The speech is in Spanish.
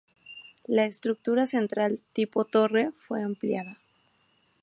La estructura central tipo-torre fue ampliada.